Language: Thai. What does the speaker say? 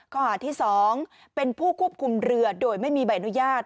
ข้อหาที่๒เป็นผู้ควบคุมเรือโดยไม่มีใบอนุญาต